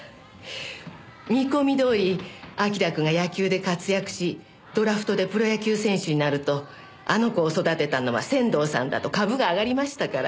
見込みどおり明君が野球で活躍しドラフトでプロ野球選手になるとあの子を育てたのは仙堂さんだと株が上がりましたから。